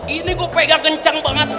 ini gue pegang kencang banget